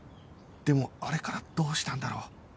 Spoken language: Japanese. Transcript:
でもあれからどうしたんだろう？